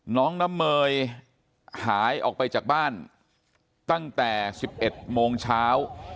น้องน้ำเมยหายออกไปจากบ้านตั้งแต่๑๑โมงเช้า